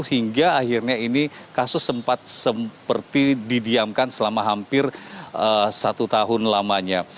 hingga akhirnya ini kasus sempat seperti didiamkan selama hampir satu tahun lamanya